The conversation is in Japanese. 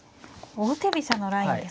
王手飛車のラインですか。